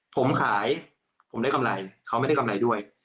ผมขายผมได้กำไรเขาไม่ได้กำไรด้วย